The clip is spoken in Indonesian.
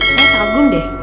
ya saya tak agun deh